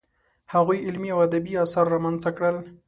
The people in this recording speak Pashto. هغوی علمي او ادبي اثار رامنځته کړل.